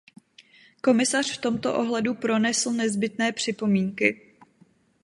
Komisař v tomto ohledu pronesl nezbytné připomínky.